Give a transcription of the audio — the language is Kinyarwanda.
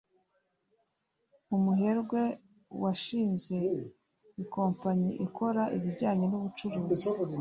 umuherwe washinze ikompanyi ikora ibijyanye n'ubucuruzi